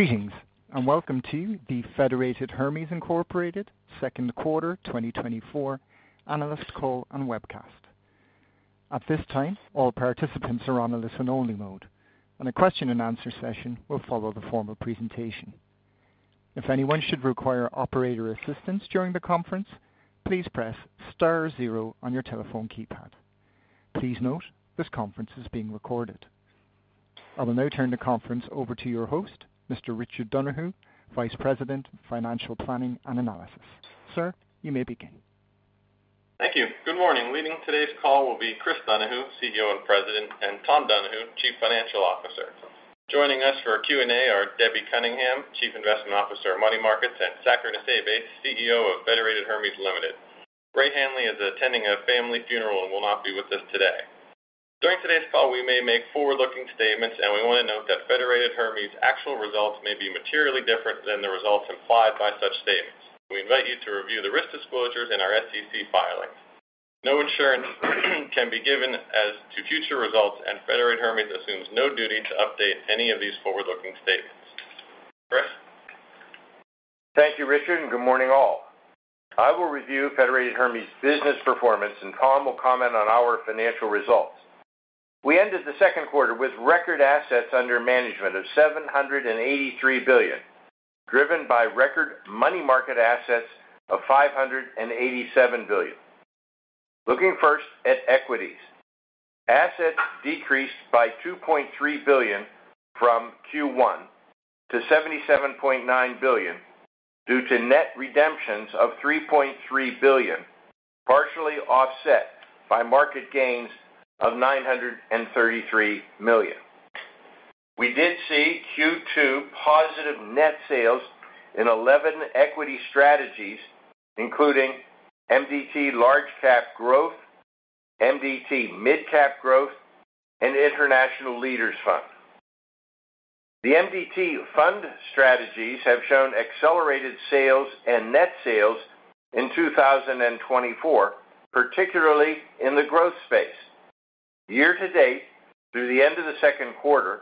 Greetings and welcome to the Federated Hermes, Inc. second quarter 2024 analyst call and webcast. At this time, all participants are on a listen-only mode, and the question-and-answer session will follow the formal presentation. If anyone should require operator assistance during the conference, please press star zero on your telephone keypad. Please note this conference is being recorded. I will now turn the conference over to your host, Mr. Richard Donahue, Vice President, Financial Planning and Analysis. Sir, you may begin. Thank you. Good morning. Leading today's call will be Chris Donahue, CEO and President, and Tom Donahue, Chief Financial Officer. Joining us for a Q&A are Debbie Cunningham, Chief Investment Officer, Money Markets, and Saker Nusseibeh, CEO of Federated Hermes Limited. Ray Hanley is attending a family funeral and will not be with us today. During today's call, we may make forward-looking statements, and we want to note that Federated Hermes' actual results may be materially different than the results implied by such statements. We invite you to review the risk disclosures in our SEC filings. No assurance can be given as to future results, and Federated Hermes assumes no duty to update any of these forward-looking statements. Chris? Thank you, Richard, and good morning, all. I will review Federated Hermes' business performance, and Tom will comment on our financial results. We ended the second quarter with record assets under management of $783 billion, driven by record money market assets of $587 billion. Looking first at equities, assets decreased by $2.3 billion from Q1 to $77.9 billion due to net redemptions of $3.3 billion, partially offset by market gains of $933 million. We did see Q2 positive net sales in 11 equity strategies, including MDT Large-Cap Growth, MDT Mid-Cap Growth, and International Leaders Fund. The MDT fund strategies have shown accelerated sales and net sales in 2024, particularly in the growth space. Year-to-date, through the end of the second quarter,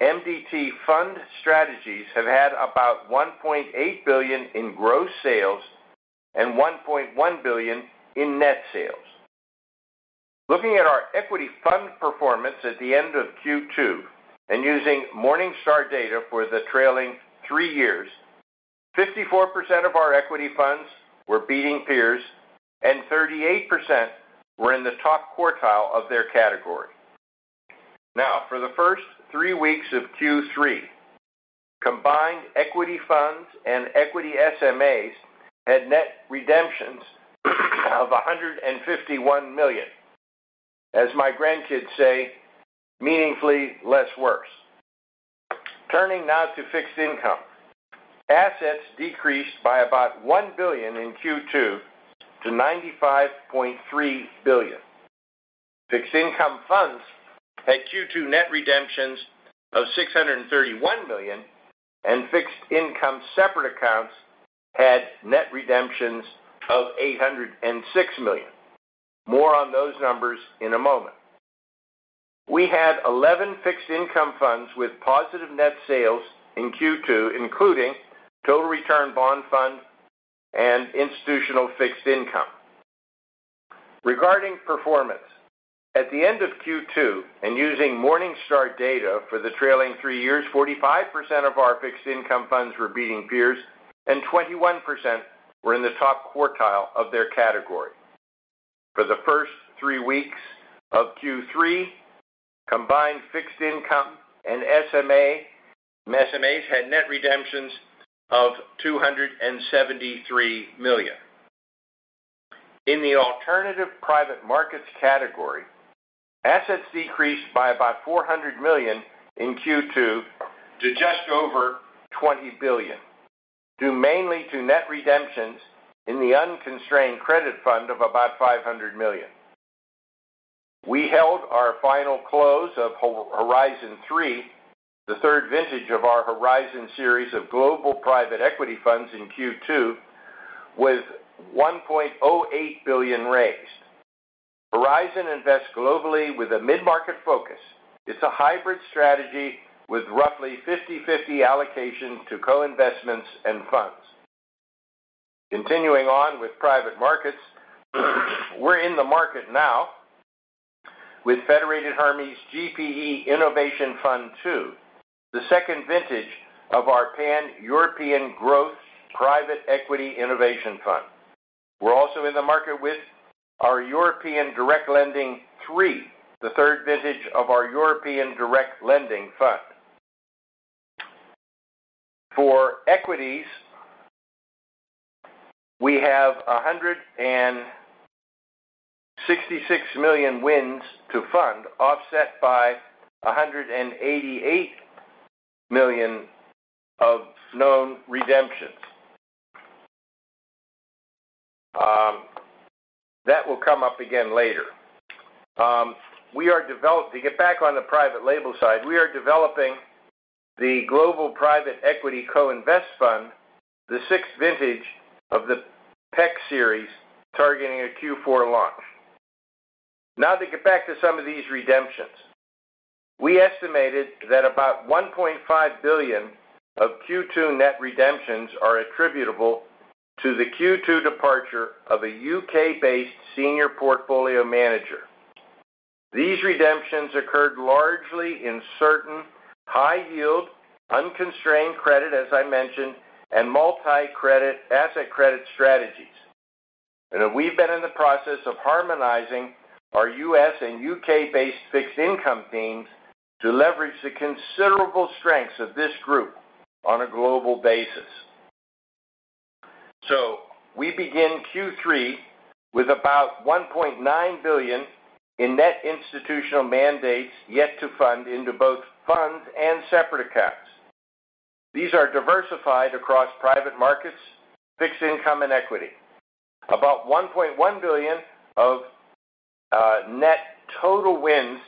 MDT fund strategies have had about $1.8 billion in gross sales and $1.1 billion in net sales. Looking at our equity fund performance at the end of Q2 and using Morningstar data for the trailing three years, 54% of our equity funds were beating peers, and 38% were in the top quartile of their category. Now, for the first three weeks of Q3, combined equity funds and equity SMAs had net redemptions of $151 million. As my grandkids say, meaningfully less worse. Turning now to fixed income, assets decreased by about $1 billion in Q2 to $95.3 billion. Fixed income funds had Q2 net redemptions of $631 million, and fixed income separate accounts had net redemptions of $806 million. More on those numbers in a moment. We had 11 fixed income funds with positive net sales in Q2, including Total Return Bond Fund and Institutional Fixed Income. Regarding performance, at the end of Q2 and using Morningstar data for the trailing three years, 45% of our fixed income funds were beating peers, and 21% were in the top quartile of their category. For the first three weeks of Q3, combined fixed income and SMAs had net redemptions of $273 million. In the alternative private markets category, assets decreased by about $400 million in Q2 to just over $20 billion, due mainly to net redemptions in the Unconstrained Credit Fund of about $500 million. We held our final close of Horizon III, the third vintage of our Horizon series of global private equity funds in Q2, with $1.08 billion raised. Horizon invests globally with a mid-market focus. It's a hybrid strategy with roughly 50/50 allocation to co-investments and funds. Continuing on with private markets, we're in the market now with Federated Hermes GPE Innovation Fund II, the second vintage of our Pan-European Growth Private Equity Innovation Fund. We're also in the market with our European Direct Lending III, the third vintage of our European Direct Lending Fund. For equities, we have $166 million wins to fund, offset by $188 million of known redemptions. That will come up again later. To get back on the private label side, we are developing the Global Private Equity Co-Invest Fund, the sixth vintage of the PEC series, targeting a Q4 launch. Now, to get back to some of these redemptions, we estimated that about $1.5 billion of Q2 net redemptions are attributable to the Q2 departure of a U.K.-based senior portfolio manager. These redemptions occurred largely in certain high-yield, unconstrained credit, as I mentioned, and multi-asset credit strategies. We've been in the process of harmonizing our U.S. and U.K.-based fixed income themes to leverage the considerable strengths of this group on a global basis. We begin Q3 with about $1.9 billion in net institutional mandates yet to fund into both funds and separate accounts. These are diversified across private markets, fixed income, and equity. About $1.1 billion of net total wins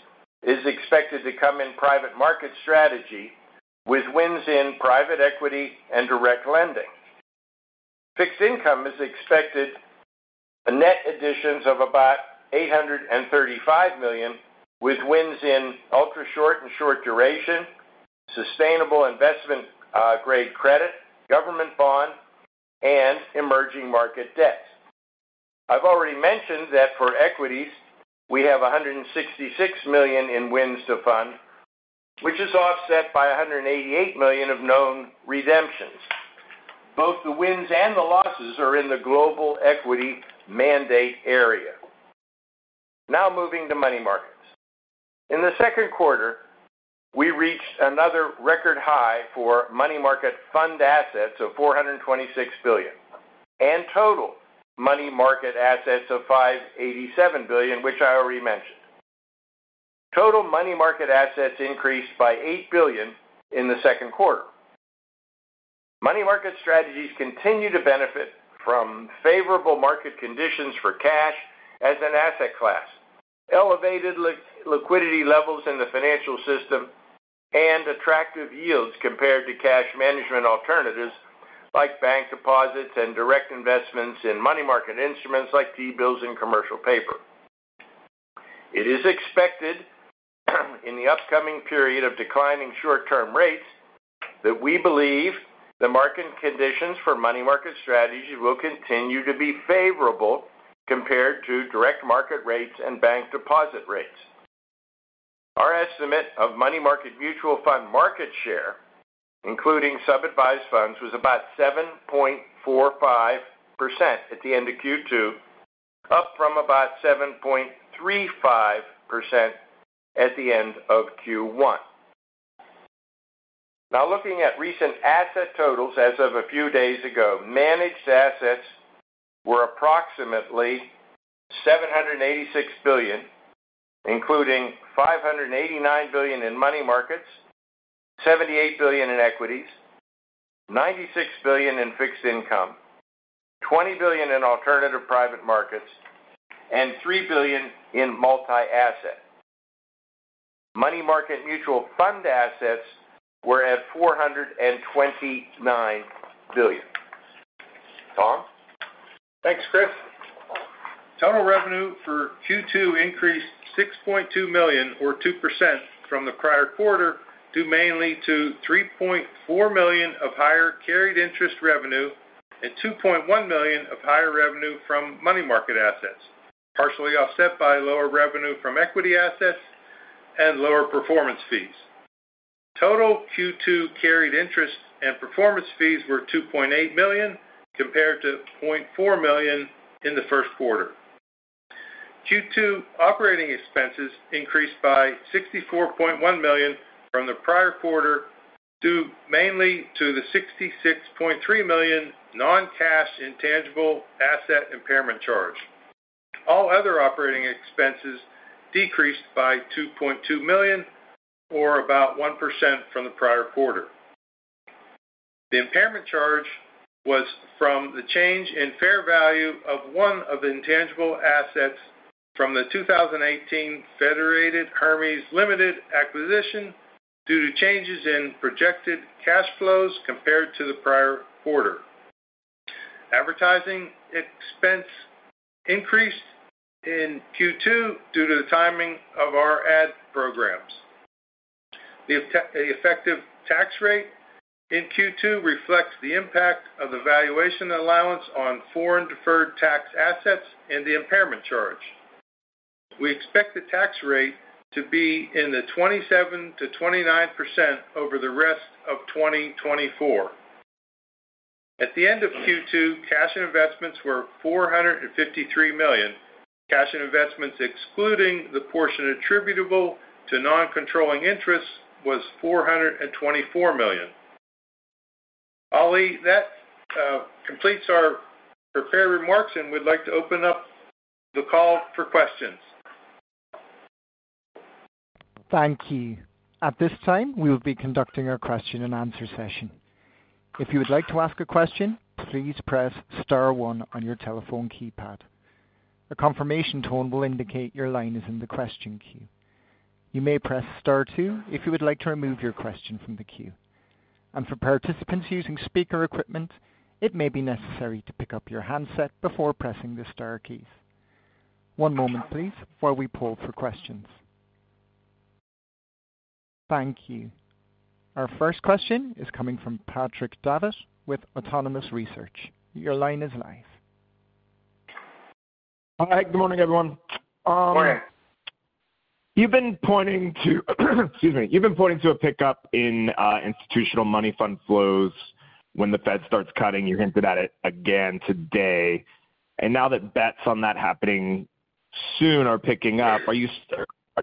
is expected to come in private market strategy with wins in private equity and direct lending. Fixed income is expected net additions of about $835 million with wins in ultra-short and short duration, sustainable investment-grade credit, government bond, and emerging market debt. I've already mentioned that for equities, we have $166 million in wins to fund, which is offset by $188 million of known redemptions. Both the wins and the losses are in the global equity mandate area. Now, moving to money markets. In the second quarter, we reached another record high for money market fund assets of $426 billion and total money market assets of $587 billion, which I already mentioned. Total money market assets increased by $8 billion in the second quarter. Money market strategies continue to benefit from favorable market conditions for cash as an asset class, elevated liquidity levels in the financial system, and attractive yields compared to cash management alternatives like bank deposits and direct investments in money market instruments like T-bills and commercial paper. It is expected in the upcoming period of declining short-term rates that we believe the market conditions for money market strategies will continue to be favorable compared to direct market rates and bank deposit rates. Our estimate of money market mutual fund market share, including sub-advised funds, was about 7.45% at the end of Q2, up from about 7.35% at the end of Q1. Now, looking at recent asset totals as of a few days ago, managed assets were approximately $786 billion, including $589 billion in money markets, $78 billion in equities, $96 billion in fixed income, $20 billion in alternative private markets, and $3 billion in multi-asset. Money market mutual fund assets were at $429 billion. Tom? Thanks, Chris. Total revenue for Q2 increased $6.2 million, or 2%, from the prior quarter due mainly to $3.4 million of higher carried interest revenue and $2.1 million of higher revenue from money market assets, partially offset by lower revenue from equity assets and lower performance fees. Total Q2 carried interest and performance fees were $2.8 million compared to $0.4 million in the first quarter. Q2 operating expenses increased by $64.1 million from the prior quarter due mainly to the $66.3 million non-cash intangible asset impairment charge. All other operating expenses decreased by $2.2 million, or about 1% from the prior quarter. The impairment charge was from the change in fair value of one of the intangible assets from the 2018 Federated Hermes Limited acquisition due to changes in projected cash flows compared to the prior quarter. Advertising expense increased in Q2 due to the timing of our ad programs. The effective tax rate in Q2 reflects the impact of the valuation allowance on foreign deferred tax assets and the impairment charge. We expect the tax rate to be in the 27%-29% over the rest of 2024. At the end of Q2, cash investments were $453 million. Cash investments, excluding the portion attributable to non-controlling interest, was $424 million. Ali, that completes our prepared remarks, and we'd like to open up the call for questions. Thank you. At this time, we will be conducting a question-and-answer session. If you would like to ask a question, please press star one on your telephone keypad. A confirmation tone will indicate your line is in the question queue. You may press star two if you would like to remove your question from the queue. And for participants using speaker equipment, it may be necessary to pick up your handset before pressing the Star keys. One moment, please, while we poll for questions. Thank you. Our first question is coming from Patrick Davitt with Autonomous Research. Your line is live. Hi. Good morning, everyone. Morning. You've been pointing to, excuse me, you've been pointing to a pickup in institutional money fund flows when the Fed starts cutting. You hinted at it again today. Now that bets on that happening soon are picking up,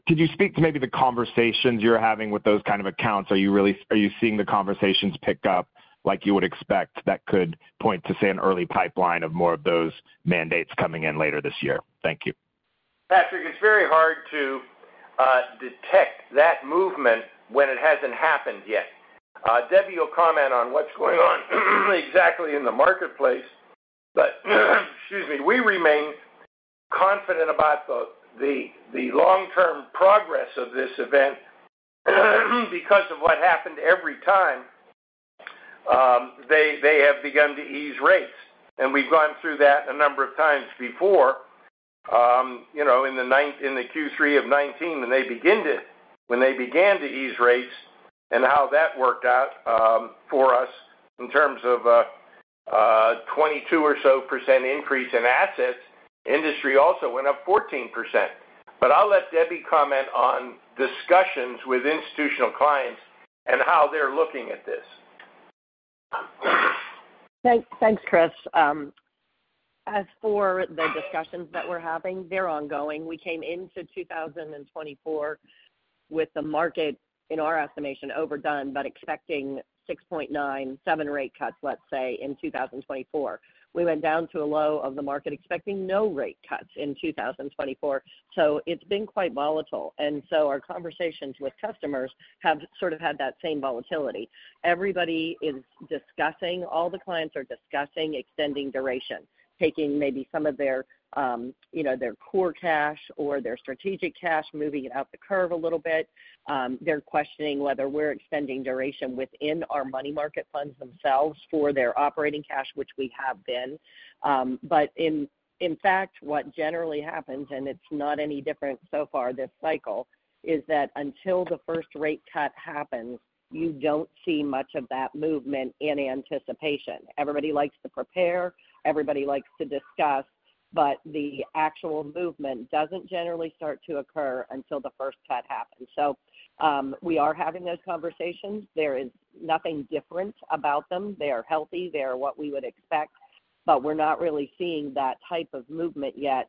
could you speak to maybe the conversations you're having with those kind of accounts? Are you seeing the conversations pick up like you would expect that could point to, say, an early pipeline of more of those mandates coming in later this year? Thank you. Patrick, it's very hard to detect that movement when it hasn't happened yet. Debbie, you'll comment on what's going on exactly in the marketplace. But excuse me, we remain confident about the long-term progress of this event because of what happened every time. They have begun to ease rates, and we've gone through that a number of times before in the Q3 of 2019 when they began to ease rates and how that worked out for us in terms of a 22% or so increase in assets. Industry also went up 14%. But I'll let Debbie comment on discussions with institutional clients and how they're looking at this. Thanks, Chris. As for the discussions that we're having, they're ongoing. We came into 2024 with the market, in our estimation, overdone but expecting 6.9-7 rate cuts, let's say, in 2024. We went down to a low of the market expecting no rate cuts in 2024. So it's been quite volatile. And so our conversations with customers have sort of had that same volatility. Everybody is discussing, all the clients are discussing extending duration, taking maybe some of their core cash or their strategic cash, moving it up the curve a little bit. They're questioning whether we're extending duration within our money market funds themselves for their operating cash, which we have been. But in fact, what generally happens, and it's not any different so far this cycle, is that until the first rate cut happens, you don't see much of that movement in anticipation. Everybody likes to prepare. Everybody likes to discuss. But the actual movement doesn't generally start to occur until the first cut happens. So we are having those conversations. There is nothing different about them. They are healthy. They are what we would expect. But we're not really seeing that type of movement yet.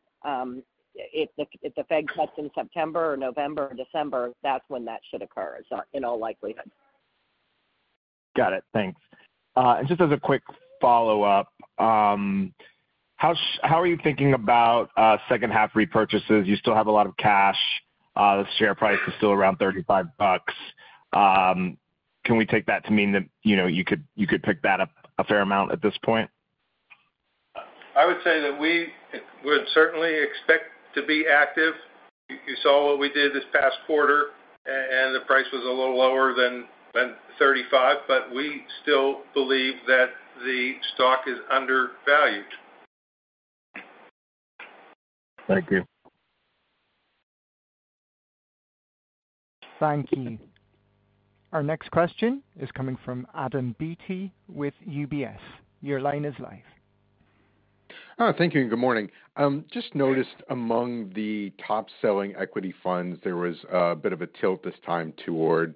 If the Fed cuts in September or November or December, that's when that should occur in all likelihood. Got it. Thanks. Just as a quick follow-up, how are you thinking about second-half repurchases? You still have a lot of cash. The share price is still around $35. Can we take that to mean that you could pick that up a fair amount at this point? I would say that we would certainly expect to be active. You saw what we did this past quarter, and the price was a little lower than $35. But we still believe that the stock is undervalued. Thank you. Thank you. Our next question is coming from Adam Beatty with UBS. Your line is live. Thank you and good morning. Just noticed among the top-selling equity funds, there was a bit of a tilt this time toward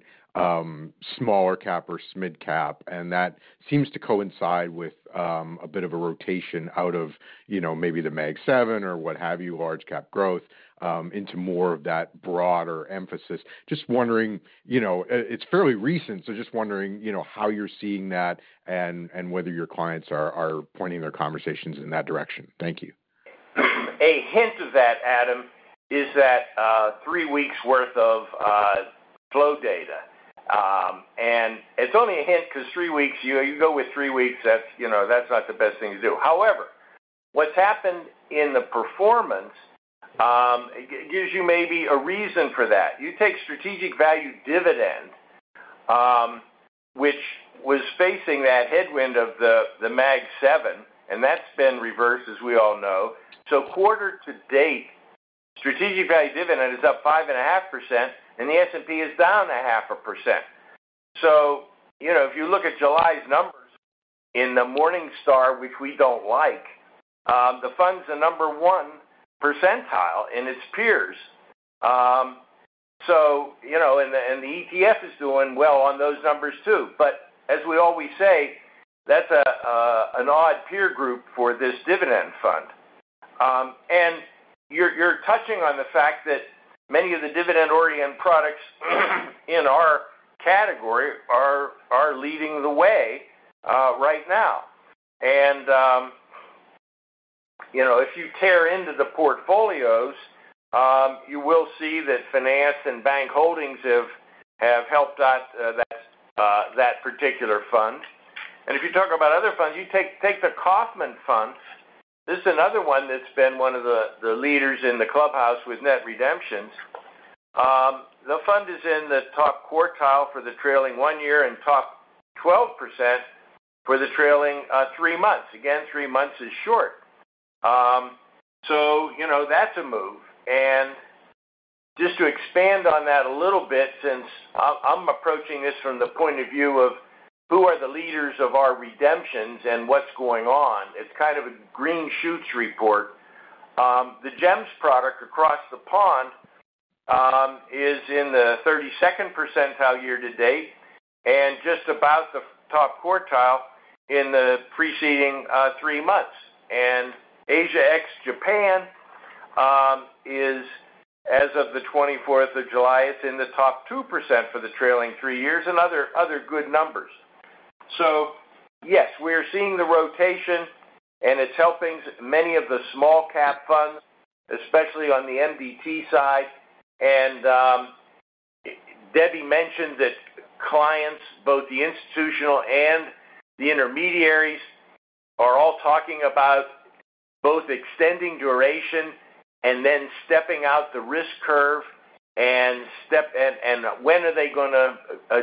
small-cap or mid-cap. That seems to coincide with a bit of a rotation out of maybe the Mag 7 or what have you, large-cap growth, into more of that broader emphasis. Just wondering, it's fairly recent, so just wondering how you're seeing that and whether your clients are pointing their conversations in that direction? Thank you. A hint of that, Adam, is that three weeks' worth of flow data. And it's only a hint because three weeks, you go with three weeks, that's not the best thing to do. However, what's happened in the performance gives you maybe a reason for that. You take Strategic Value Dividend, which was facing that headwind of the Mag 7, and that's been reversed, as we all know. So quarter to date, Strategic Value Dividend is up 5.5%, and the S&P is down 0.5%. So if you look at July's numbers in the Morningstar, which we don't like, the fund's the 1st percentile in its peers. And the ETF is doing well on those numbers too. But as we always say, that's an odd peer group for this dividend fund. You're touching on the fact that many of the dividend-oriented products in our category are leading the way right now. If you tear into the portfolios, you will see that finance and bank holdings have helped out that particular fund. If you talk about other funds, you take the Kaufmann Fund. This is another one that's been one of the leaders in the clubhouse with net redemptions. The fund is in the top quartile for the trailing one year and top 12% for the trailing three months. Again, three months is short. So that's a move. Just to expand on that a little bit, since I'm approaching this from the point of view of who are the leaders of our redemptions and what's going on, it's kind of a green shoots report. The GEMs product across the pond is in the 32nd percentile year to date and just about the top quartile in the preceding three months. And Asia ex-Japan is, as of July 24th, it's in the top 2% for the trailing three years and other good numbers. So yes, we're seeing the rotation, and it's helping many of the small-cap funds, especially on the MDT side. And Debbie mentioned that clients, both the institutional and the intermediaries, are all talking about both extending duration and then stepping out the risk curve and when are they going to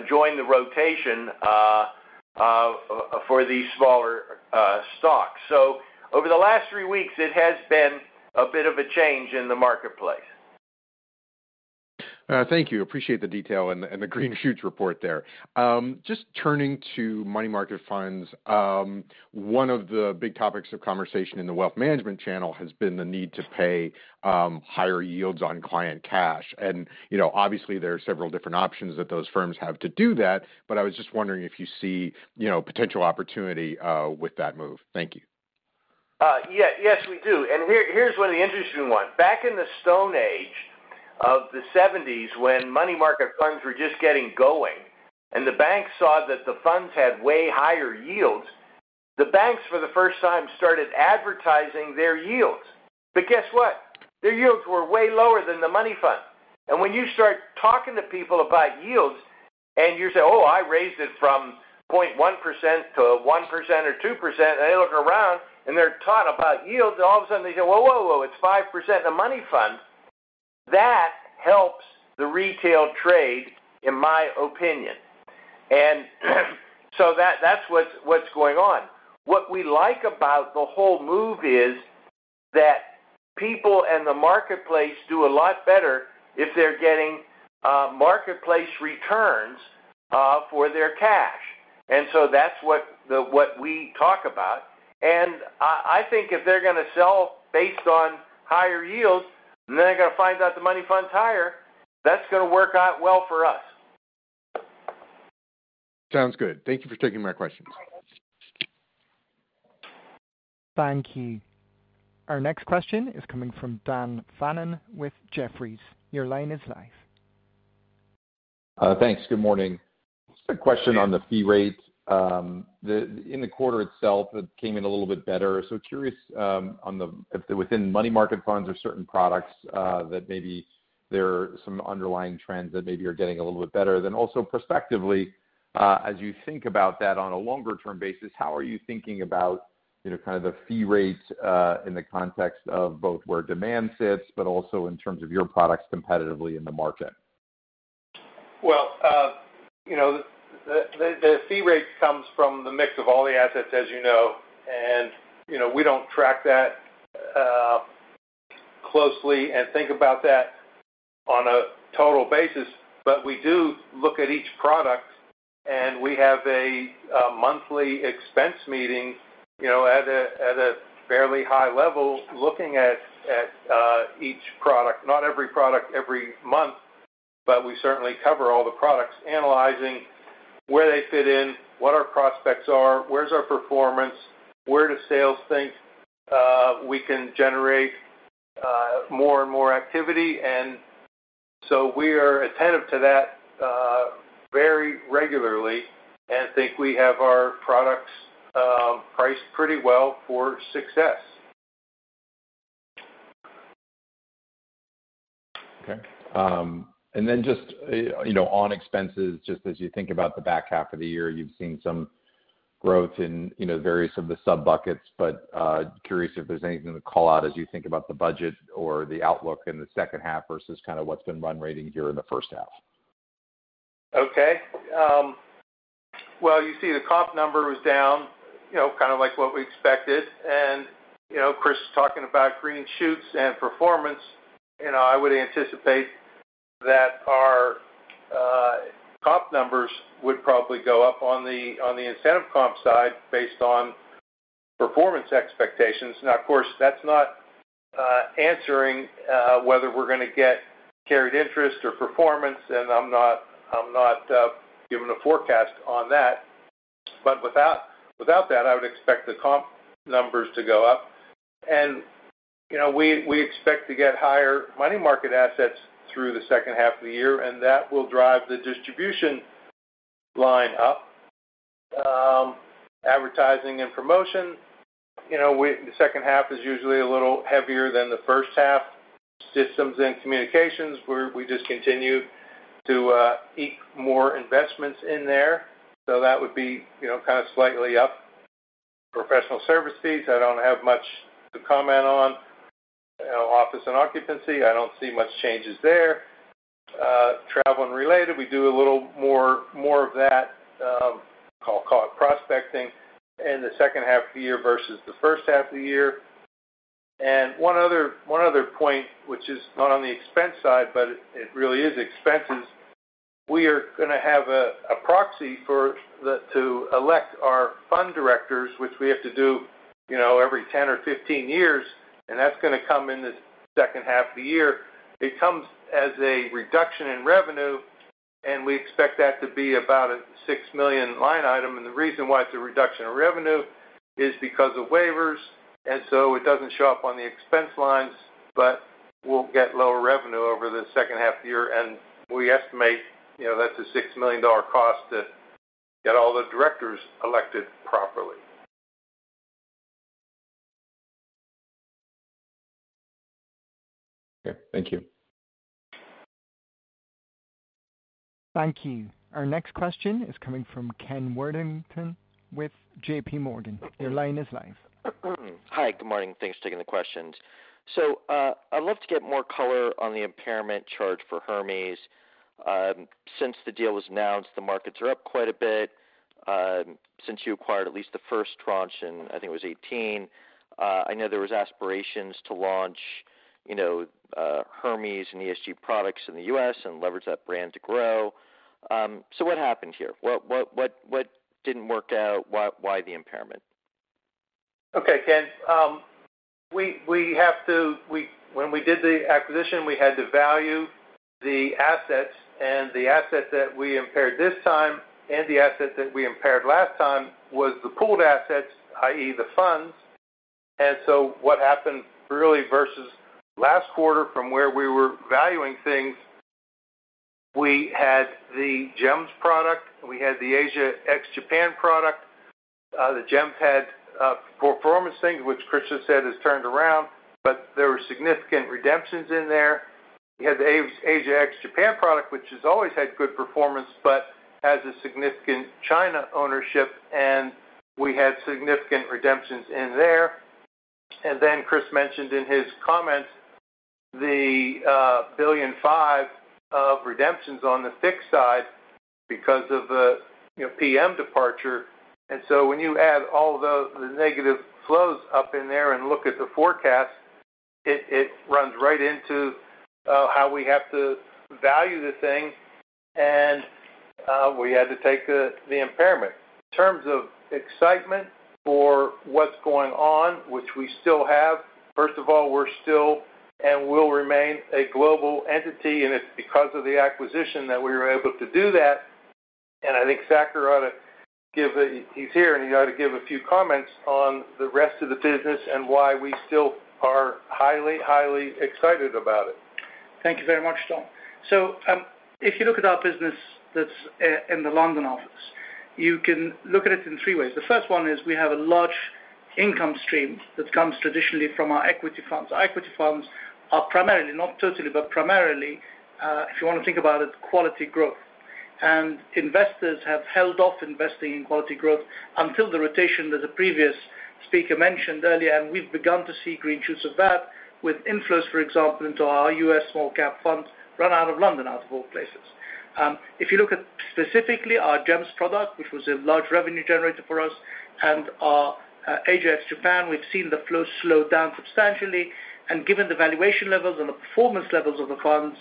join the rotation for these smaller stocks. So over the last three weeks, it has been a bit of a change in the marketplace. Thank you. Appreciate the detail and the green shoots report there. Just turning to money market funds, one of the big topics of conversation in the Wealth Management Channel has been the need to pay higher yields on client cash. And obviously, there are several different options that those firms have to do that. But I was just wondering if you see potential opportunity with that move. Thank you. Yeah. Yes, we do. And here's one of the interesting ones. Back in the Stone Age of the 1970s, when money market funds were just getting going and the banks saw that the funds had way higher yields, the banks for the first time started advertising their yields. But guess what? Their yields were way lower than the money fund. And when you start talking to people about yields and you say, "Oh, I raised it from 0.1% to 1% or 2%," and they look around and they're taught about yields, and all of a sudden they say, "Whoa, whoa, whoa, it's 5% in a money fund." That helps the retail trade, in my opinion. And so that's what's going on. What we like about the whole move is that people and the marketplace do a lot better if they're getting marketplace returns for their cash. And so that's what we talk about. And I think if they're going to sell based on higher yields and then they're going to find out the money fund's higher, that's going to work out well for us. Sounds good. Thank you for taking my questions. Thank you. Our next question is coming from Dan Fannon with Jefferies. Your line is live. Thanks. Good morning. Just a question on the fee rate. In the quarter itself, it came in a little bit better. So curious within money market funds or certain products that maybe there are some underlying trends that maybe are getting a little bit better. Then also prospectively, as you think about that on a longer-term basis, how are you thinking about kind of the fee rate in the context of both where demand sits but also in terms of your products competitively in the market? Well, the fee rate comes from the mix of all the assets, as you know. We don't track that closely and think about that on a total basis. But we do look at each product, and we have a monthly expense meeting at a fairly high level looking at each product, not every product every month, but we certainly cover all the products, analyzing where they fit in, what our prospects are, where's our performance, where do sales think we can generate more and more activity. So we are attentive to that very regularly and think we have our products priced pretty well for success. Okay. And then just on expenses, just as you think about the back half of the year, you've seen some growth in various of the sub-buckets. But curious if there's anything to call out as you think about the budget or the outlook in the second half versus kind of what's been run rate here in the first half. Okay. Well, you see the comp number was down, kind of like what we expected. And Chris talking about green shoots and performance, I would anticipate that our comp numbers would probably go up on the incentive comp side based on performance expectations. Now, of course, that's not answering whether we're going to get carried interest or performance, and I'm not giving a forecast on that. But without that, I would expect the comp numbers to go up. And we expect to get higher money market assets through the second half of the year, and that will drive the distribution line up. Advertising and promotion, the second half is usually a little heavier than the first half. Systems and communications, we just continue to eke more investments in there. So that would be kind of slightly up. Professional service fees, I don't have much to comment on. Office and occupancy, I don't see much changes there. Travel and related, we do a little more of that, call it prospecting, in the second half of the year versus the first half of the year. One other point, which is not on the expense side, but it really is expenses, we are going to have a proxy to elect our fund directors, which we have to do every 10 or 15 years, and that's going to come in the second half of the year. It comes as a reduction in revenue, and we expect that to be about a $6 million line item. The reason why it's a reduction in revenue is because of waivers. So it doesn't show up on the expense lines, but we'll get lower revenue over the second half of the year. We estimate that's a $6 million cost to get all the directors elected properly. Okay. Thank you. Thank you. Our next question is coming from Ken Worthington with JPMorgan. Your line is live. Hi. Good morning. Thanks for taking the questions. I'd love to get more color on the impairment charge for Hermes. Since the deal was announced, the markets are up quite a bit. Since you acquired at least the first tranche in, I think it was 2018, I know there were aspirations to launch Hermes and ESG products in the U.S. and leverage that brand to grow. What happened here? What didn't work out? Why the impairment? Okay. Ken, we have to when we did the acquisition, we had to value the assets. And the asset that we impaired this time and the asset that we impaired last time was the pooled assets, i.e., the funds. And so what happened really versus last quarter from where we were valuing things, we had the GEMs product. We had the Asia ex-Japan product. The GEMs had performance things, which Chris just said has turned around, but there were significant redemptions in there. We had the Asia ex-Japan product, which has always had good performance but has a significant China ownership, and we had significant redemptions in there. And then Chris mentioned in his comments the $1.5 billion of redemptions on the fixed side because of the PM departure. And so when you add all the negative flows up in there and look at the forecast, it runs right into how we have to value the thing. And we had to take the impairment. In terms of excitement for what's going on, which we still have, first of all, we're still and will remain a global entity. And it's because of the acquisition that we were able to do that. And I think Saker ought to give a—he's here, and he ought to give a few comments on the rest of the business and why we still are highly, highly excited about it. Thank you very much, Tom. So if you look at our business that's in the London office, you can look at it in three ways. The first one is we have a large income stream that comes traditionally from our equity funds. Our equity funds are primarily, not totally, but primarily, if you want to think about it, quality growth. And investors have held off investing in quality growth until the rotation that the previous speaker mentioned earlier. And we've begun to see green shoots of that with inflows, for example, into our U.S. small-cap funds run out of London, out of all places. If you look at specifically our GEMs product, which was a large revenue generator for us, and our Asia ex-Japan, we've seen the flow slow down substantially. Given the valuation levels and the performance levels of the funds,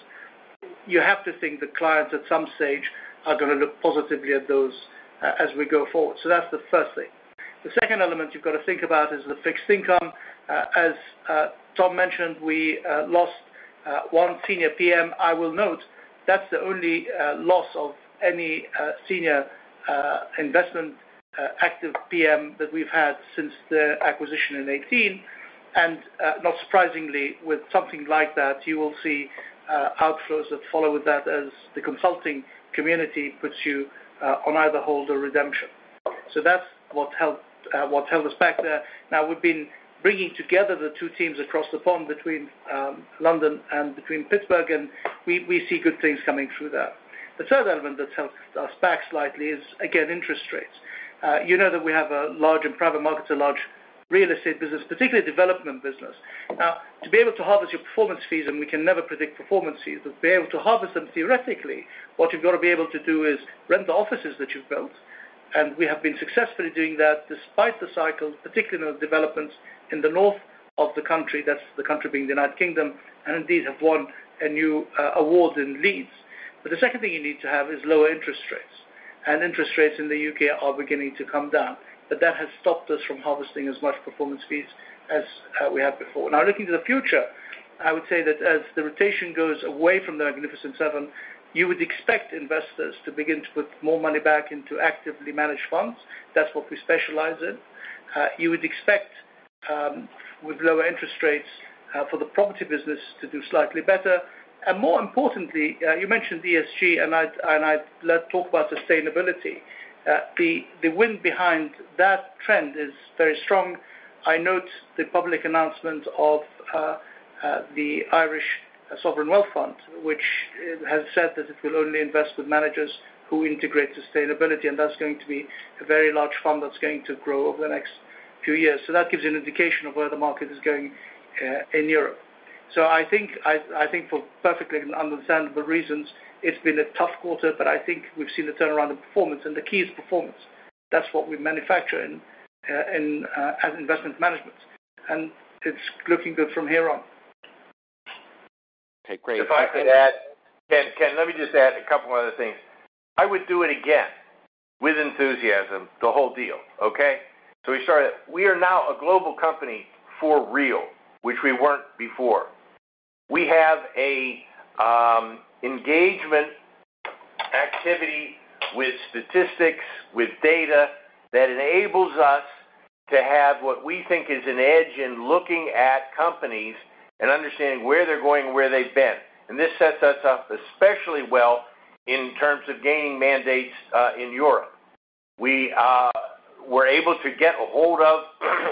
you have to think the clients at some stage are going to look positively at those as we go forward. So that's the first thing. The second element you've got to think about is the fixed income. As Tom mentioned, we lost one senior PM. I will note that's the only loss of any senior investment active PM that we've had since the acquisition in 2018. And not surprisingly, with something like that, you will see outflows that follow with that as the consulting community puts you on either hold or redemption. So that's what held us back there. Now, we've been bringing together the two teams across the pond between London and between Pittsburgh, and we see good things coming through that. The third element that's helped us back slightly is, again, interest rates. You know that we have a large private markets, a large real estate business, particularly development business. Now, to be able to harvest your performance fees, and we can never predict performance fees, but to be able to harvest them theoretically, what you've got to be able to do is rent the offices that you've built. And we have been successfully doing that despite the cycles, particularly in the developments in the north of the country, that's the country being the United Kingdom, and indeed have won a new award in Leeds. But the second thing you need to have is lower interest rates. And interest rates in the U.K. are beginning to come down. But that has stopped us from harvesting as much performance fees as we had before. Now, looking to the future, I would say that as the rotation goes away from the Magnificent Seven, you would expect investors to begin to put more money back into actively managed funds. That's what we specialize in. You would expect, with lower interest rates, for the property business to do slightly better. And more importantly, you mentioned ESG, and I'd love to talk about sustainability. The wind behind that trend is very strong. I note the public announcement of the Irish Sovereign Wealth Fund, which has said that it will only invest with managers who integrate sustainability. And that's going to be a very large fund that's going to grow over the next few years. So that gives you an indication of where the market is going in Europe. I think for perfectly understandable reasons, it's been a tough quarter, but I think we've seen a turnaround in performance. The key is performance. That's what we manufacture in as investment management. It's looking good from here on. Okay. Great. If I could add, Ken, let me just add a couple of other things. I would do it again with enthusiasm, the whole deal, okay? So we started, we are now a global company for real, which we weren't before. We have an engagement activity with statistics, with data that enables us to have what we think is an edge in looking at companies and understanding where they're going and where they've been. And this sets us up especially well in terms of gaining mandates in Europe. We were able to get a hold of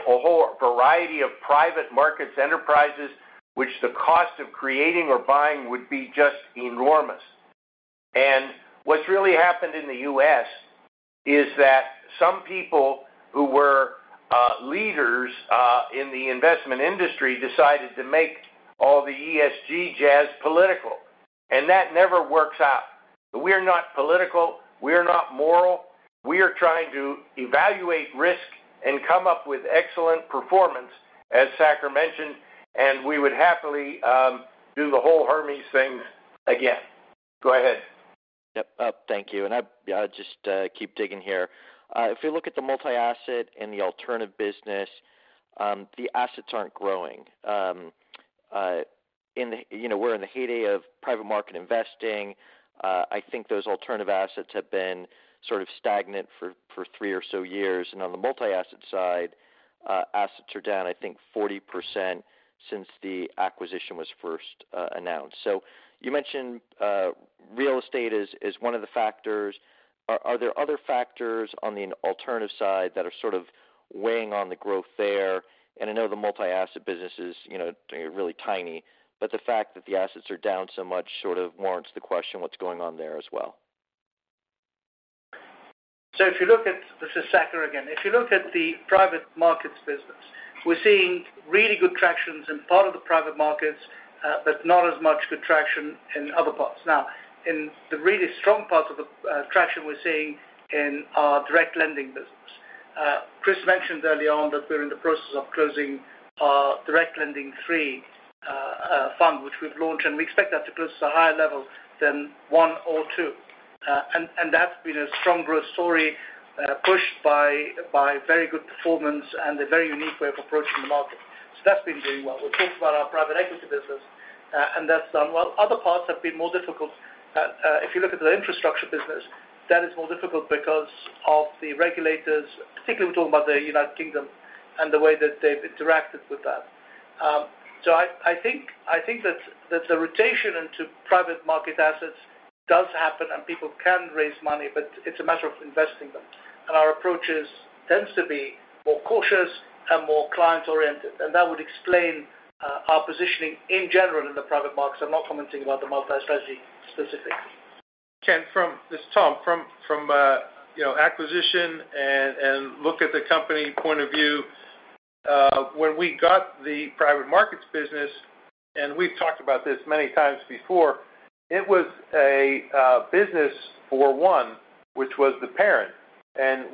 a whole variety of private markets, enterprises, which the cost of creating or buying would be just enormous. And what's really happened in the U.S. is that some people who were leaders in the investment industry decided to make all the ESG jazz political. And that never works out. We are not political. We are not moral. We are trying to evaluate risk and come up with excellent performance, as Saker mentioned, and we would happily do the whole Hermes thing again. Go ahead. Yep. Thank you. And I'll just keep digging here. If you look at the multi-asset and the alternative business, the assets aren't growing. We're in the heyday of private market investing. I think those alternative assets have been sort of stagnant for three or so years. And on the multi-asset side, assets are down, I think, 40% since the acquisition was first announced. So you mentioned real estate is one of the factors. Are there other factors on the alternative side that are sort of weighing on the growth there? And I know the multi-asset business is really tiny, but the fact that the assets are down so much sort of warrants the question of what's going on there as well. So if you look at this, this is Saker again. If you look at the private markets business, we're seeing really good traction in part of the private markets, but not as much good traction in other parts. Now, in the really strong parts of the traction, we're seeing in our direct lending business. Chris mentioned early on that we're in the process of closing our Direct Lending III fund, which we've launched, and we expect that to close to a higher level than one or two. And that's been a strong growth story pushed by very good performance and a very unique way of approaching the market. So that's been doing well. We've talked about our private equity business, and that's done well. Other parts have been more difficult. If you look at the infrastructure business, that is more difficult because of the regulators, particularly we're talking about the United Kingdom and the way that they've interacted with that. So I think that the rotation into private market assets does happen, and people can raise money, but it's a matter of investing them. And our approach tends to be more cautious and more client-oriented. And that would explain our positioning in general in the private markets. I'm not commenting about the multi-strategy specifics. Ken, from this Tom, from acquisition and look at the company point of view, when we got the private markets business, and we've talked about this many times before, it was a business for one, which was the parent.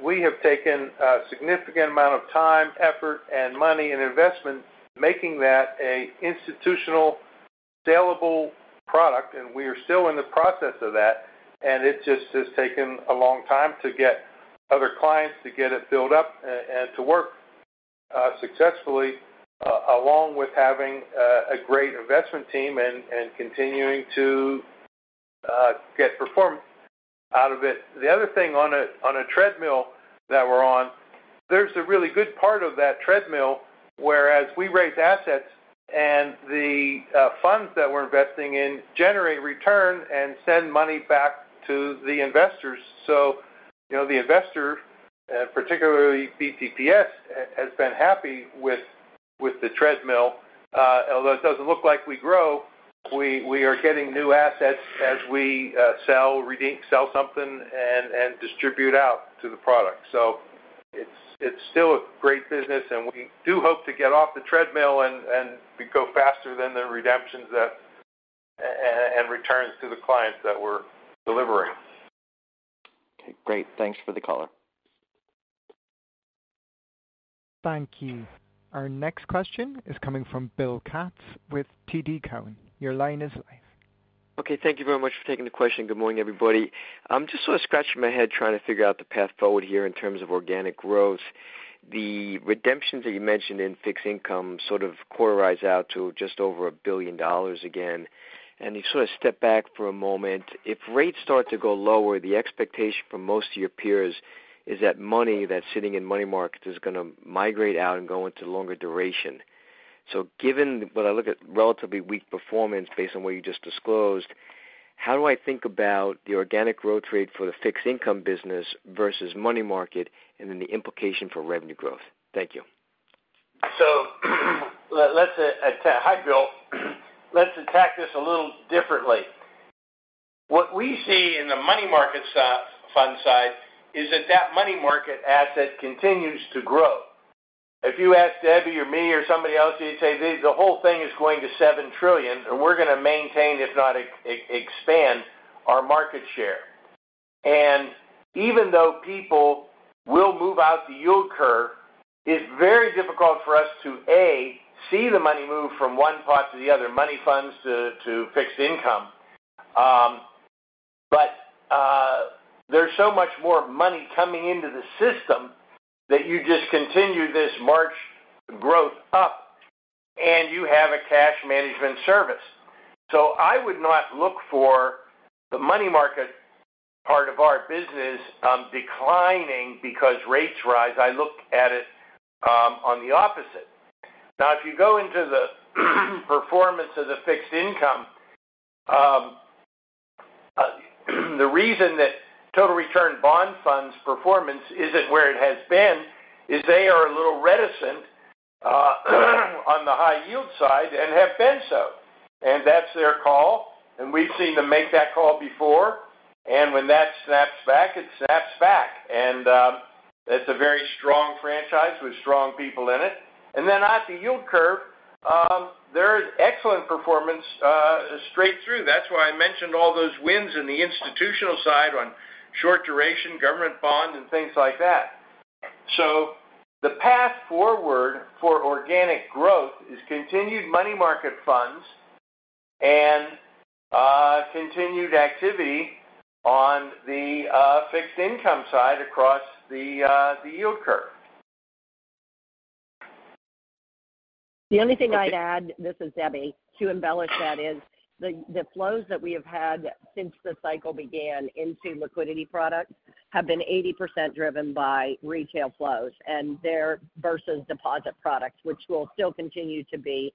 We have taken a significant amount of time, effort, and money and investment, making that an institutional saleable product. We are still in the process of that. It just has taken a long time to get other clients to get it filled up and to work successfully, along with having a great investment team and continuing to get performance out of it. The other thing on a treadmill that we're on, there's a really good part of that treadmill, whereas we raise assets and the funds that we're investing in generate return and send money back to the investors. So the investor, and particularly BTPS, has been happy with the treadmill. Although it doesn't look like we grow, we are getting new assets as we sell something and distribute out to the product. So it's still a great business, and we do hope to get off the treadmill and go faster than the redemptions and returns to the clients that we're delivering. Okay. Great. Thanks for the color. Thank you. Our next question is coming from Bill Katz with TD Cowen. Your line is live. Okay. Thank you very much for taking the question. Good morning, everybody. I'm just sort of scratching my head trying to figure out the path forward here in terms of organic growth. The redemptions that you mentioned in fixed income sort of quarter out to just over $1 billion again. And if you sort of step back for a moment, if rates start to go lower, the expectation for most of your peers is that money that's sitting in money markets is going to migrate out and go into longer duration. So given what I look at, relatively weak performance based on what you just disclosed, how do I think about the organic growth rate for the fixed income business versus money market and then the implication for revenue growth? Thank you. So let's attack, hi Bill, let's attack this a little differently. What we see in the money market fund side is that that money market asset continues to grow. If you asked Debbie or me or somebody else, you'd say the whole thing is going to $7 trillion, and we're going to maintain, if not expand, our market share. And even though people will move out the yield curve, it's very difficult for us to, A, see the money move from one pot to the other, money funds to fixed income. But there's so much more money coming into the system that you just continue this march growth up, and you have a cash management service. So I would not look for the money market part of our business declining because rates rise. I look at it on the opposite. Now, if you go into the performance of the fixed income, the reason that Total Return Bond Fund performance isn't where it has been is they are a little reticent on the high-yield side and have been so. And that's their call. And we've seen them make that call before. And when that snaps back, it snaps back. And it's a very strong franchise with strong people in it. And then at the yield curve, there is excellent performance straight through. That's why I mentioned all those wins in the institutional side on short duration, government bond, and things like that. So the path forward for organic growth is continued money market funds and continued activity on the fixed income side across the yield curve. The only thing I'd add, this is Debbie, to embellish that is the flows that we have had since the cycle began into liquidity products have been 80% driven by retail flows and there versus deposit products, which will still continue to be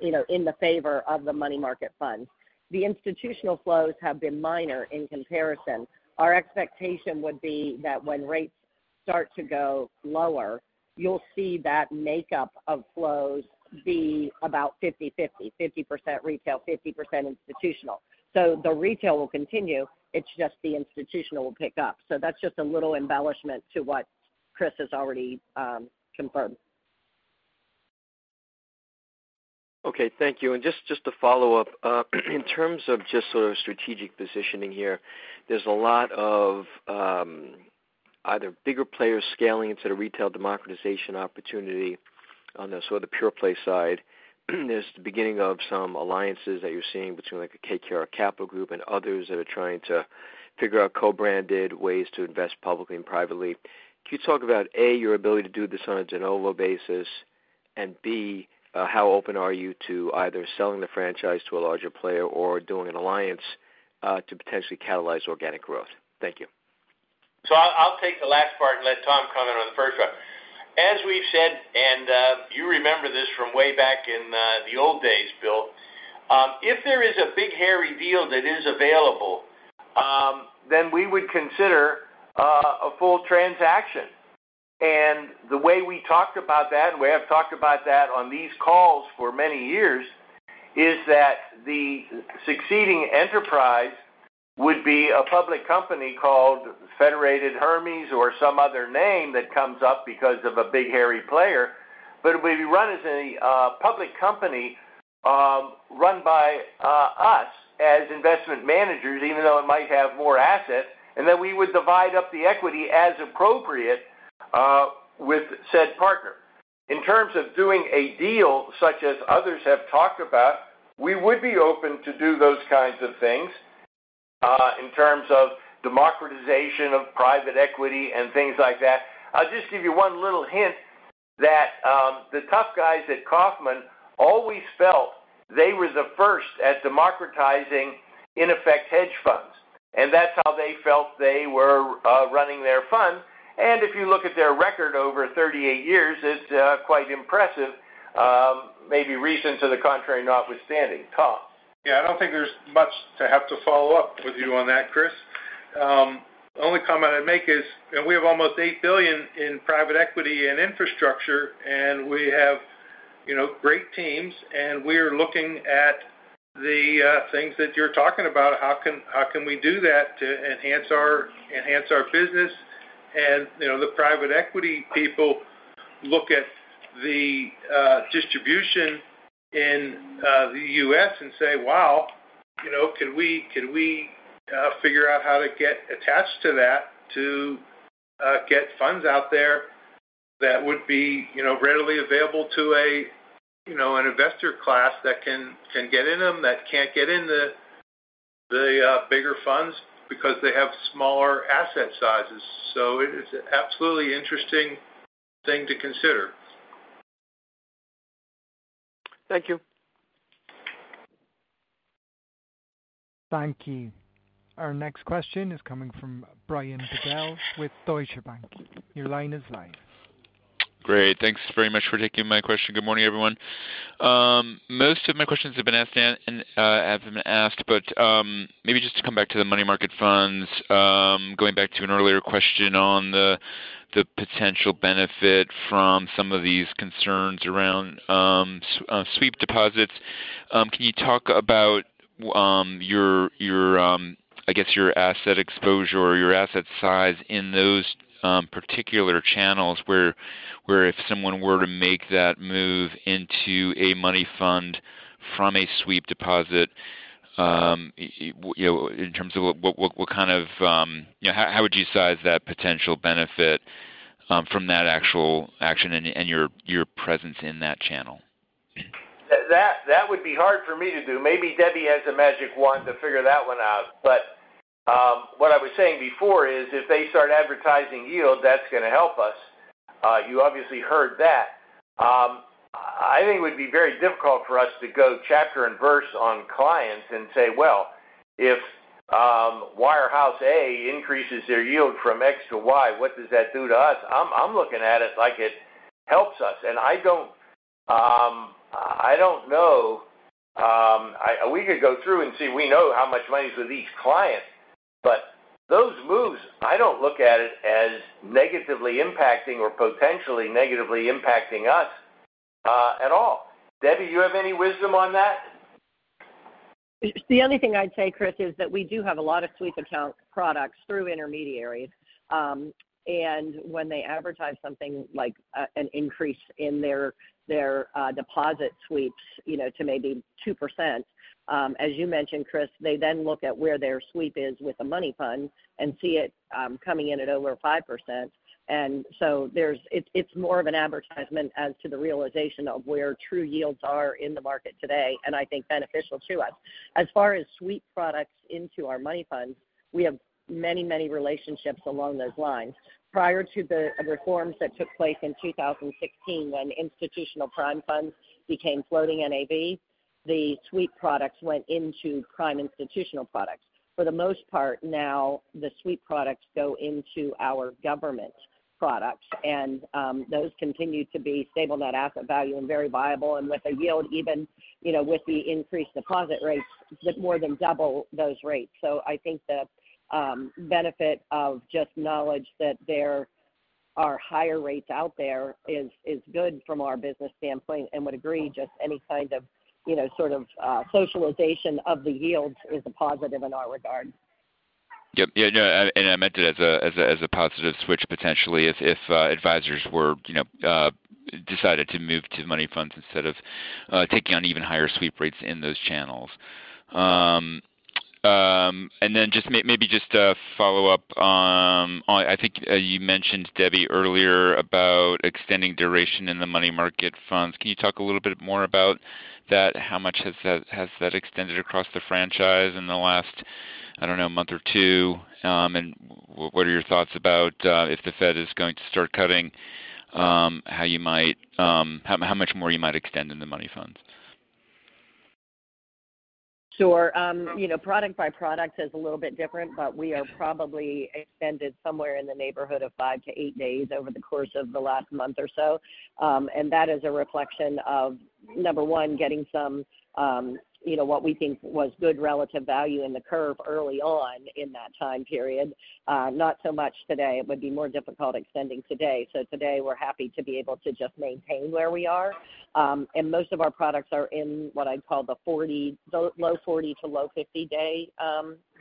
in the favor of the money market funds. The institutional flows have been minor in comparison. Our expectation would be that when rates start to go lower, you'll see that makeup of flows be about 50/50, 50% retail, 50% institutional. So the retail will continue. It's just the institutional will pick up. So that's just a little embellishment to what Chris has already confirmed. Okay. Thank you. And just to follow up, in terms of just sort of strategic positioning here, there's a lot of either bigger players scaling into the retail democratization opportunity on the sort of the pure play side. There's the beginning of some alliances that you're seeing between like a KKR, Capital Group and others that are trying to figure out co-branded ways to invest publicly and privately. Can you talk about, A, your ability to do this on a de novo basis? And B, how open are you to either selling the franchise to a larger player or doing an alliance to potentially catalyze organic growth? Thank you. So I'll take the last part and let Tom comment on the first one. As we've said, and you remember this from way back in the old days, Bill, if there is a big hairy deal that is available, then we would consider a full transaction. And the way we talked about that, and we have talked about that on these calls for many years, is that the succeeding enterprise would be a public company called Federated Hermes or some other name that comes up because of a big hairy player. But it would be run as a public company run by us as investment managers, even though it might have more assets, and then we would divide up the equity as appropriate with said partner. In terms of doing a deal such as others have talked about, we would be open to do those kinds of things in terms of democratization of private equity and things like that. I'll just give you one little hint that the tough guys at Kaufmann always felt they were the first at democratizing in effect hedge funds. And that's how they felt they were running their fund. And if you look at their record over 38 years, it's quite impressive, maybe reason to the contrary notwithstanding. Tom? Yeah. I don't think there's much to have to follow up with you on that, Chris. The only comment I'd make is we have almost $8 billion in private equity and infrastructure, and we have great teams. We are looking at the things that you're talking about. How can we do that to enhance our business? The private equity people look at the distribution in the U.S. and say, "Wow, can we figure out how to get attached to that to get funds out there that would be readily available to an investor class that can get in them, that can't get in the bigger funds because they have smaller asset sizes?" So it's an absolutely interesting thing to consider. Thank you. Thank you. Our next question is coming from Brian Bedell with Deutsche Bank. Your line is live. Great. Thanks very much for taking my question. Good morning, everyone. Most of my questions have been asked and have been asked, but maybe just to come back to the money market funds, going back to an earlier question on the potential benefit from some of these concerns around sweep deposits. Can you talk about your, I guess, your asset exposure or your asset size in those particular channels where if someone were to make that move into a money fund from a sweep deposit, in terms of what kind of how would you size that potential benefit from that actual action and your presence in that channel? That would be hard for me to do. Maybe Debbie has a magic wand to figure that one out. But what I was saying before is if they start advertising yield, that's going to help us. You obviously heard that. I think it would be very difficult for us to go chapter and verse on clients and say, "Well, if Wirehouse A increases their yield from X to Y, what does that do to us?" I'm looking at it like it helps us. And I don't know. We could go through and see. We know how much money's with each client. But those moves, I don't look at it as negatively impacting or potentially negatively impacting us at all. Debbie, do you have any wisdom on that? The only thing I'd say, Chris, is that we do have a lot of sweep account products through intermediaries. When they advertise something like an increase in their deposit sweeps to maybe 2%, as you mentioned, Chris, they then look at where their sweep is with a money fund and see it coming in at over 5%. So it's more of an advertisement as to the realization of where true yields are in the market today, and I think beneficial to us. As far as sweep products into our money funds, we have many, many relationships along those lines. Prior to the reforms that took place in 2016 when institutional prime funds became floating NAV, the sweep products went into prime institutional products. For the most part, now the sweep products go into our government products. Those continue to be stable net asset value and very viable. With a yield, even with the increased deposit rates, more than double those rates. I think the benefit of just knowledge that there are higher rates out there is good from our business standpoint. Would agree just any kind of sort of socialization of the yields is a positive in our regard. Yep. Yeah. And I meant it as a positive switch potentially if advisors decided to move to money funds instead of taking on even higher sweep rates in those channels. And then maybe just to follow up on, I think you mentioned, Debbie, earlier about extending duration in the money market funds. Can you talk a little bit more about that? How much has that extended across the franchise in the last, I don't know, 1-2 month? And what are your thoughts about if the Fed is going to start cutting, how much more you might extend in the money funds? Sure. Product by product is a little bit different, but we are probably extended somewhere in the neighborhood of 5-8 days over the course of the last month or so. And that is a reflection of, number one, getting somewhat what we think was good relative value in the curve early on in that time period. Not so much today. It would be more difficult extending today. So today, we're happy to be able to just maintain where we are. And most of our products are in what I'd call the low 40- to low 50-day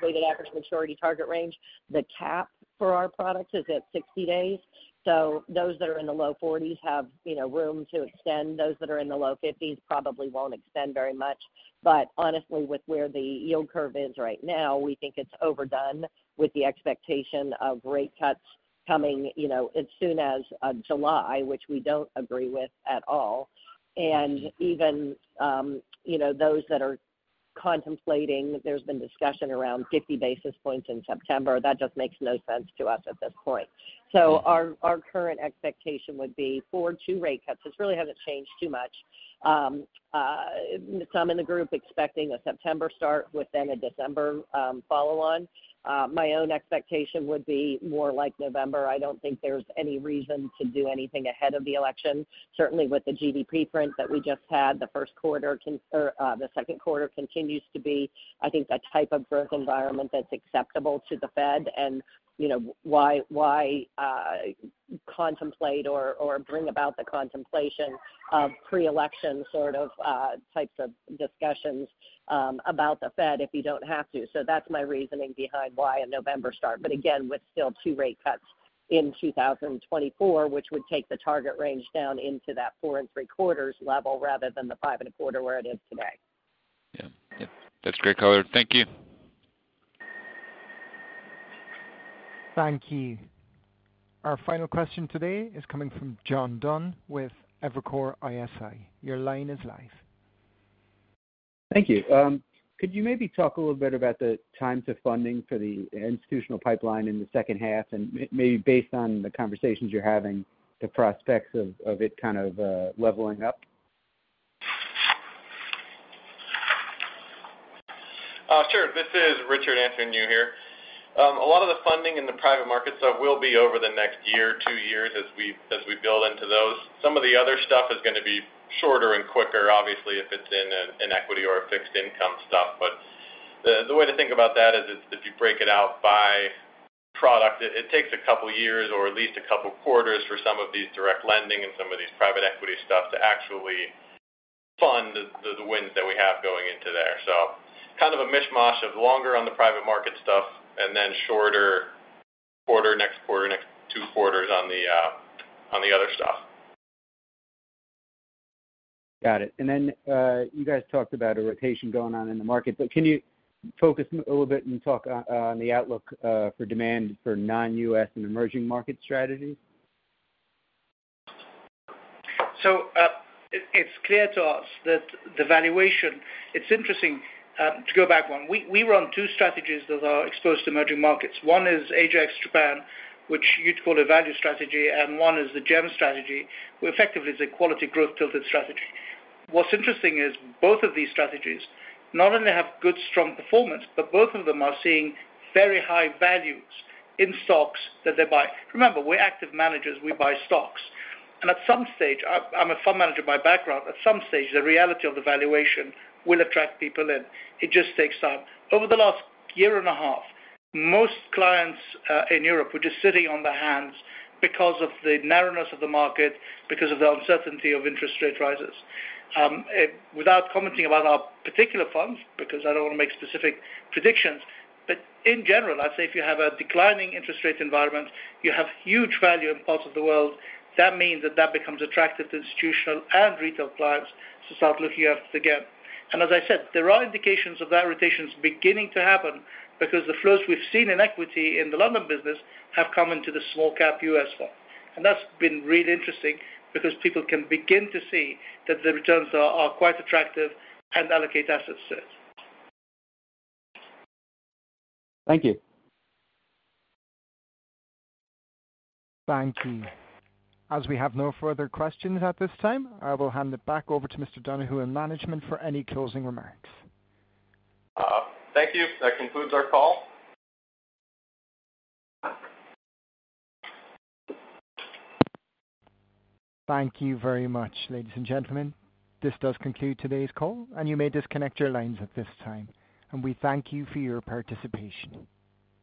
weighted average maturity target range. The cap for our products is at 60 days. So those that are in the low 40s have room to extend. Those that are in the low 50s probably won't extend very much. But honestly, with where the yield curve is right now, we think it's overdone with the expectation of rate cuts coming as soon as July, which we don't agree with at all. And even those that are contemplating, there's been discussion around 50 basis points in September. That just makes no sense to us at this point. So our current expectation would be for two rate cuts. It really hasn't changed too much. Some in the group expecting a September start with then a December follow-on. My own expectation would be more like November. I don't think there's any reason to do anything ahead of the election. Certainly, with the GDP print that we just had, the first quarter or the second quarter continues to be, I think, a type of growth environment that's acceptable to the Fed. Why contemplate or bring about the contemplation of pre-election sort of types of discussions about the Fed if you don't have to? That's my reasoning behind why a November start. Again, with still two rate cuts in 2024, which would take the target range down into that 4.75% level rather than the 5.25% where it is today. Yeah. Yep. That's great color. Thank you. Thank you. Our final question today is coming from John Dunn with Evercore ISI. Your line is live. Thank you. Could you maybe talk a little bit about the time to funding for the institutional pipeline in the second half? And maybe based on the conversations you're having, the prospects of it kind of leveling up? Sure. This is Richard Donahue here. A lot of the funding in the private market stuff will be over the next year, 2 years as we build into those. Some of the other stuff is going to be shorter and quicker, obviously, if it's in an equity or a fixed income stuff. But the way to think about that is if you break it out by product, it takes a couple of years or at least a couple of quarters for some of these direct lending and some of these private equity stuff to actually fund the wins that we have going into there. So kind of a mishmash of longer on the private market stuff and then shorter quarter, next quarter, next 2 quarters on the other stuff. Got it. And then you guys talked about a rotation going on in the market. But can you focus a little bit and talk on the outlook for demand for non-U.S. and emerging market strategies? So it's clear to us that the valuation. It's interesting to go back one. We run two strategies that are exposed to emerging markets. One is Asia ex-Japan, which you'd call a value strategy. And one is the GEM strategy, which effectively is a quality growth tilted strategy. What's interesting is both of these strategies not only have good strong performance, but both of them are seeing very high values in stocks that they buy. Remember, we're active managers. We buy stocks. And at some stage, I'm a fund manager by background. At some stage, the reality of the valuation will attract people in. It just takes time. Over the last year and a half, most clients in Europe were just sitting on their hands because of the narrowness of the market, because of the uncertainty of interest rate rises. Without commenting about our particular funds, because I don't want to make specific predictions, but in general, I'd say if you have a declining interest rate environment, you have huge value in parts of the world, that means that that becomes attractive to institutional and retail clients to start looking after the GEM. And as I said, there are indications of that rotation beginning to happen because the flows we've seen in equity in the London business have come into the small-cap U.S. fund. And that's been really interesting because people can begin to see that the returns are quite attractive and allocate assets to it. Thank you. Thank you. As we have no further questions at this time, I will hand it back over to Mr. Donahue and management for any closing remarks. Thank you. That concludes our call. Thank you very much, ladies and gentlemen. This does conclude today's call, and you may disconnect your lines at this time. We thank you for your participation.